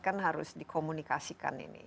kan harus dikomunikasikan ini